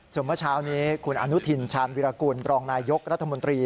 ส่วนเมื่อเช้านี้คุณอนุทินชาญวิรากุลบรองนายยกรัฐมนตรี